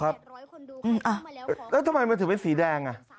เอ่อออบอกว่าจำไปมันถือเป็นสีแดงอ่ะ